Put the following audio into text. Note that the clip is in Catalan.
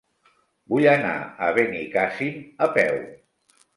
Vull anar a Benicàssim a peu.